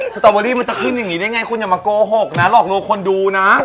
สตอเบอรี่มันจะขึ้นอย่างนี้ได้ไงคุณอย่ามาโกหกนะหลอกลวงคนดูนะ